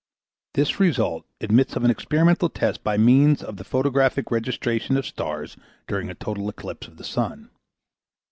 This result admits of an experimental test by means of the photographic registration of stars during a total eclipse of the sun.